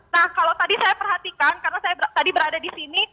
nah kalau tadi saya perhatikan karena saya tadi berada di sini